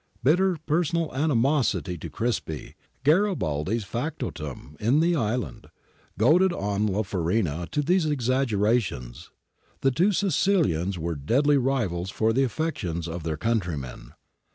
Bitter personal animosity to Crispi, Garibaldi's factotum in the island, goaded on La Farina to these exaggerations. The two Sicilians were deadly rivals for the affections of their countrymen.